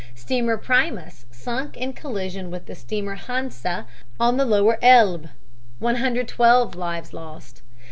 Steamer Primus sunk in collision with the steamer Hansa on the Lower Elbe; 112 lives lost.